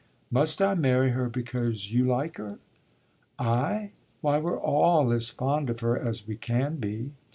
"Must I marry her because you like her?" "I? Why we're all as fond of her as we can be."